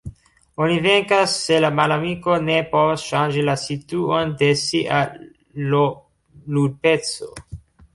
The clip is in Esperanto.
Oni venkas se la malamiko ne povas ŝanĝi la situon de sia L-ludpeco.